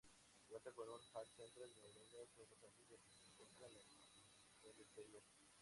Cuenta con un hall central, inaugurado hace unos años donde se encuentran las boleterías.